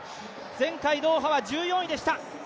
前回ドーハは１４位でした。